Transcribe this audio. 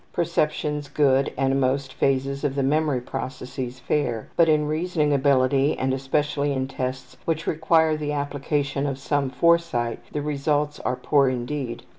Perceptions good and most phases of the memory processes fair, but in reasoning ability and especially in tests which require the application of some foresight the results are poor indeed.